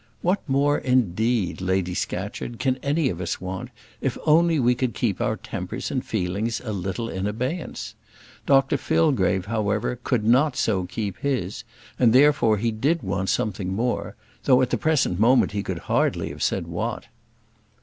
What more, indeed, Lady Scatcherd, can any of us want, if only we could keep our tempers and feelings a little in abeyance? Dr Fillgrave, however, could not so keep his; and, therefore, he did want something more, though at the present moment he could have hardly said what.